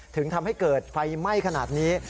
ถึงทำให้เกิดไฟไหม้ขนาดนี้